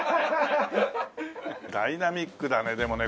ダイナミックだねでもね